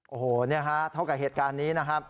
โอ้โหนี่ฮะเท่ากับเหตุการณ์นี้นะครับ